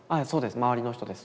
周りの人です。